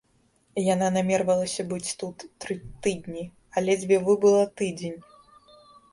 Яна намервалася быць тут тры тыдні, а ледзьве выбыла тыдзень.